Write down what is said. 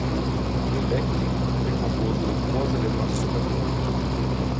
Le lec'h est composé de trois éléments superposés.